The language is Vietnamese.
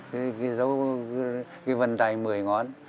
cái dấu cái vần tay một mươi ngón